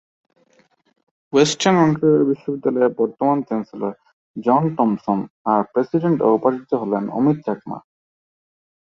Western Ontario বিশ্ববিদ্যালয়ের বর্তমান chancellor "John Thomson", আর প্রেসিডেন্ট ও উপাচার্য হলেন অমিত চাকমা।